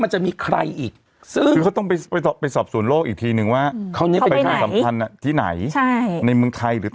จนในเชื้อเข้ามาแล้วกี่ละอาการ